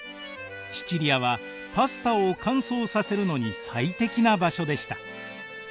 シチリアはパスタを乾燥させるのに最適な場所でした。